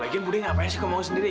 lagian buddha ngapain sih kamu sendiri